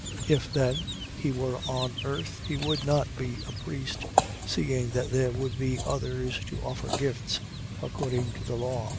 8:4. If then he were on earth, he would not be a priest: seeing that there would be others to offer gifts according to the law.